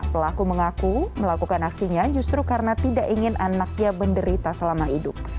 pelaku mengaku melakukan aksinya justru karena tidak ingin anaknya menderita selama hidup